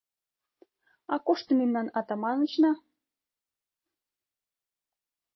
А кушто мемнан Атаманычна?